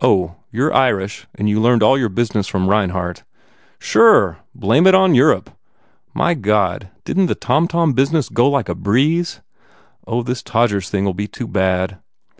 Oh, you re Irish and you learned all your business from Reinhardt." "Sure! Blame it on Europe! My God, didn t the tomtom business go like a breeze? Oh, this Todgers thing ll be too bad.